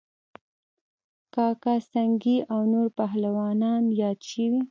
کاکه سنگی او نور پهلوانان یاد شوي